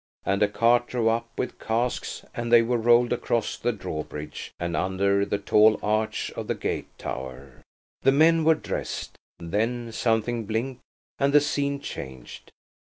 And a cart drove up, with casks, and they were rolled across the drawbridge and under the tall arch of the gate tower. The men were dressed. Then something blinked, and the scene changed.